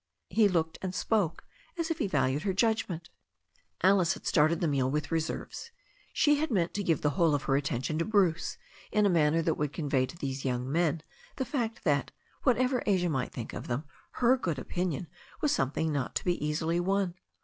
He looked and spoke as if he valued her judgment, Alice had started the meal with reserves. She had meant to give the whole of her attention to Bruce in a manner that would convey to these young men the fact that, what ever Asia might think of them, her good opinion was something not to be easily won.